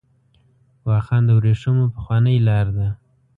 واخان د ورېښمو پخوانۍ لار ده .